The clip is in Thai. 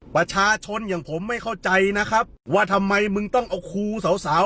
ประชาชนอย่างผมไม่เข้าใจนะครับว่าทำไมมึงต้องเอาครูสาวสาว